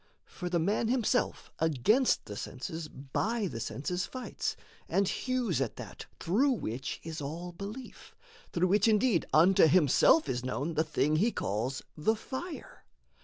For the man himself Against the senses by the senses fights, And hews at that through which is all belief, Through which indeed unto himself is known The thing he calls the fire.